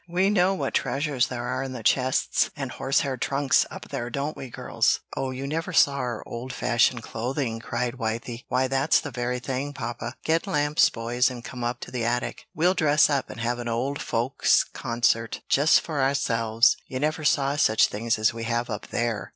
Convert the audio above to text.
We know what treasures there are in the chests and horse hair trunks up there, don't we, girls?" "Oh, you never saw our old fashioned clothing!" cried Wythie. "Why, that's the very thing, papa! Get lamps, boys, and come up to the attic. We'll dress up and have an old folks' concert, just for ourselves. You never saw such things as we have up there!"